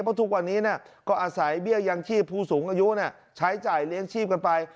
เพราะทุกวันนี้ก็อาศัยเบี้ยยังชีพผู้สูงอายุใช้จ่ายเลี้ยงชีพกันไป